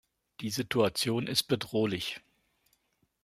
Die Situation ist bedrohlich!